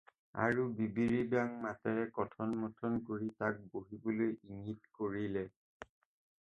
আৰু বিৰিং-বাৰাং মাতেৰে কথন-মথন কৰি তাক বহিবলৈ ইংগিত কৰিলে।